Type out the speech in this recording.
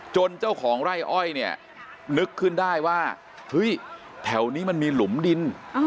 เจ้าของไร่อ้อยเนี่ยนึกขึ้นได้ว่าเฮ้ยแถวนี้มันมีหลุมดิน